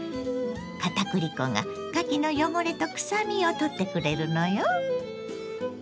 片栗粉がかきの汚れとくさみを取ってくれるのよ。